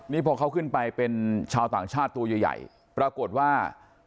นี่พอเขาขึ้นไปเป็นชาวต่างชาติตัวใหญ่ปรากฏว่า